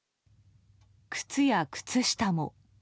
靴や靴下も。